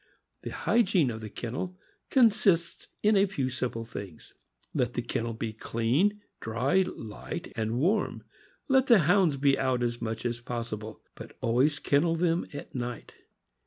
The hygiene of the kennel consists in a few simple things. Let the ken nel be clean, dry, light, and warm. Let the Hounds be out as much as possible, but always kennel them at night.